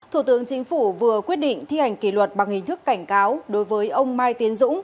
thủ tướng chính phủ vừa quyết định thi hành kỷ luật bằng hình thức cảnh cáo đối với ông mai tiến dũng